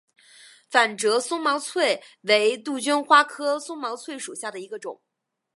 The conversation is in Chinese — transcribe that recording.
反折松毛翠为杜鹃花科松毛翠属下的一个种。